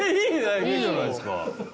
いいじゃないですか。